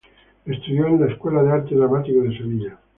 Estudió en la Escuela de Arte Dramático de Sevilla.